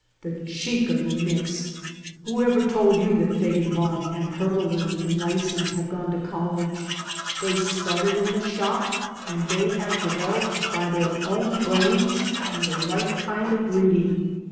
The cheek of the nixl Who ever told you that Feigenbaum and Hermalin and Liessin have gone to college? They started in the shop and they have developed by their own brains and the right kind of reading.